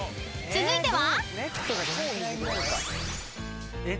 ［続いては］